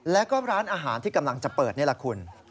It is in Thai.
แล้วก็ร้านอาหารที่กำลังจะเปิดนี่แหละคุณ